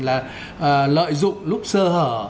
là lợi dụng lúc sơ hở